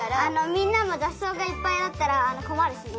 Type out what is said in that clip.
みんなもざっそうがいっぱいあったらこまるしね。